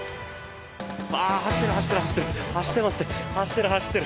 走ってる、走ってる。